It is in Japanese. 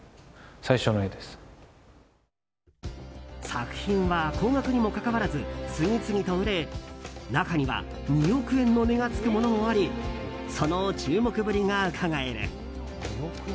作品は高額にもかかわらず次々と売れ中には２億円の値がつくものもありその注目ぶりがうかがえる。